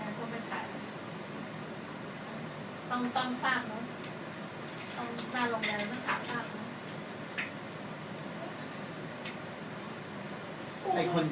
อันนั้นก็ไปถ่ายแล้วต้องต้องฝากเนอะต้องมาโรงแรมมันต้องฝากเนอะ